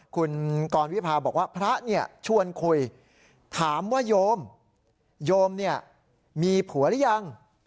คุณกรวิพาบอกว่าพระเนี่ยชวนคุยถามว่าโยมโยมเนี่ยมีผัวหรือยัง